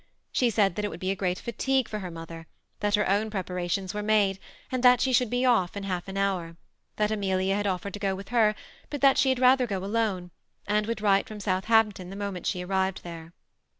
She said that it would be great fatigue for her mother, that her own preparations were made, and that she should be off in half an hour; that Amelia had offered to go with her, but that she had rather go alone, and would write from Southampton the moment she arrived there.